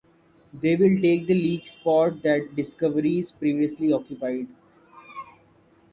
They will take the league spot that Discoveries previously occupied.